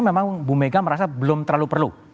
memang bu mega merasa belum terlalu perlu